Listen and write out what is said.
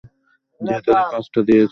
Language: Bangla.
যে তাদের কাজটা দিয়েছে।